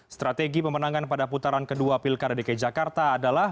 strategi pemenangan pada putaran kedua pilkada dki jakarta adalah